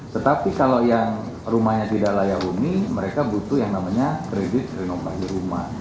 tetapi kalau yang rumahnya tidak layak huni mereka butuh yang namanya kredit renovasi rumah